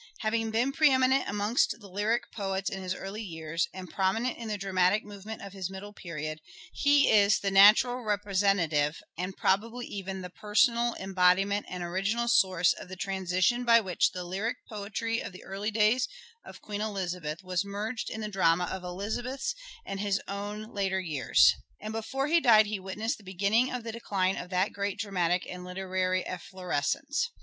Having been pre eminent amongst the lyric poets in his early years, and prominent in the dramatic movement of his middle period, he is the natural representative and probably even the personal embodiment and original source of the transition by which the lyric poetry of the early days of Queen Elizabeth was merged in the drama of Elizabeth's, and his own later years ; and before he died he witnessed the beginning of the decline of that great dramatic and literary efflorescence.